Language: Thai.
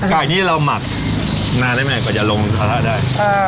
กลางนี้เรามักนานได้ไหมกว่าจะลงทราบได้